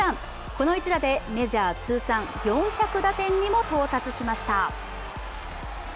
この一打でメジャー通算４００打点にも到達しました。